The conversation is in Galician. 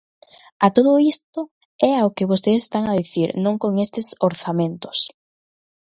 A todo isto é ao que vostedes están a dicir non con estes orzamentos.